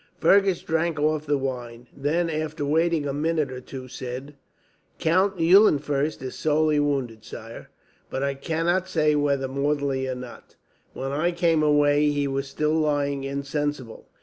Fergus drank off the wine; then, after waiting a minute or two, said: "Count Eulenfurst is sorely wounded, sire, but I cannot say whether mortally or not. When I came away, he was still lying insensible.